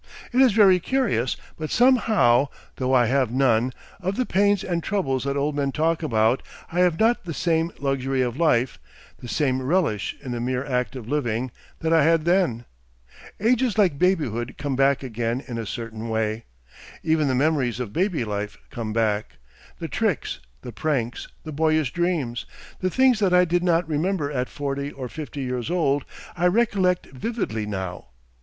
It is very curious, but somehow, though I have none, of the pains and troubles that old men talk about, I have not the same luxury of life the same relish in the mere act of living that I had then. Age is like babyhood come back again in a certain way. Even the memories of baby life come back the tricks, the pranks, the boyish dreams; and things that I did not remember at forty or fifty years old I recollect vividly now.